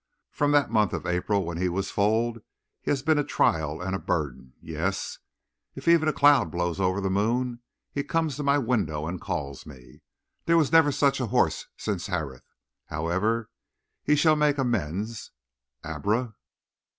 "From that month of April when he was foaled he has been a trial and a burden; yes, if even a cloud blows over the moon he comes to my window and calls me. There was never such a horse since Harith. However, he shall make amends. Abra!"